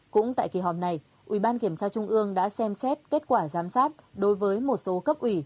cũng tại kỳ họp này ủy ban kiểm tra trung ương đã xem xét kết quả giám sát đối với một số cấp ủy